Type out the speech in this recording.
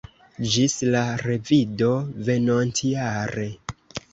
Ĝis la revido venontjare!